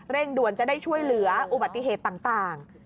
ด่วนจะได้ช่วยเหลืออุบัติเหตุต่าง